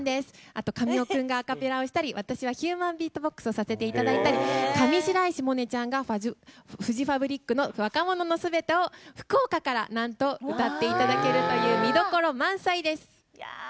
あと、神尾君がアカペラをしたり私はヒューマンビートボックスをさせていただいたり上白石萌音ちゃんがフジファブリックの「若者のすべて」を福岡から歌っていただけるという見どころ満載です。